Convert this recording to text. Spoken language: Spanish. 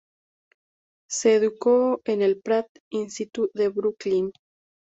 Se educó en el Pratt Institute en Brooklyn.